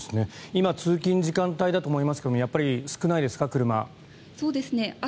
今、通勤時間帯だと思いますがやっぱり少ないですか？